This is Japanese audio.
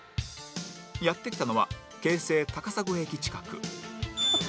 やって来たのは京成高砂駅近く